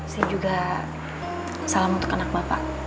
saya juga salam untuk anak bapak